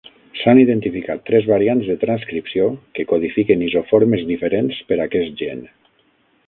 S'han identificat tres variants de transcripció que codifiquen isoformes diferents per a aquest gen.